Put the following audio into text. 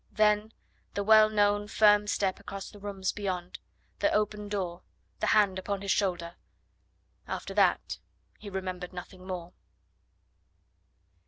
Then the well known firm step across the rooms beyond, the open door, the hand upon his shoulder. After that he remembered nothing more.